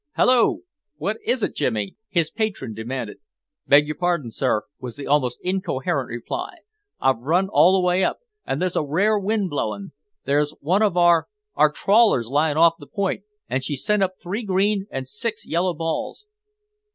"Hullo? What is it, Jimmy?" his patron demanded. "Beg your pardon, sir," was the almost incoherent reply. "I've run all the way up, and there's a rare wind blowing. There's one of our our trawlers lying off the Point, and she's sent up three green and six yellow balls."